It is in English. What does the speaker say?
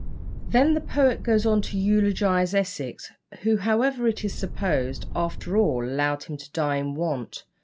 Then the poet goes on to eulogise Essex, who, however, it is supposed, after all allowed him to die in want.